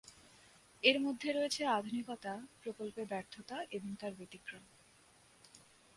এর মধ্যে রয়েছে আধুনিকতা প্রকল্পের ব্যর্থতা এবং তার ব্যতিক্রম।